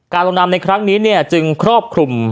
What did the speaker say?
ลงนามในครั้งนี้จึงครอบคลุม